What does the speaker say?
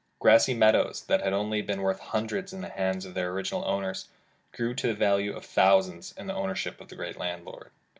Grassy meadows that had only been worth hundreds in the hands of their original owners, grew to the value of thousands in the ownership of the great landlord.